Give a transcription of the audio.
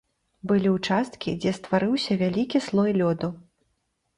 Былі ўчасткі, дзе стварыўся вялікі слой лёду.